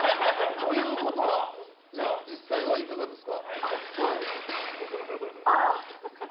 ということは実際はいかがですか？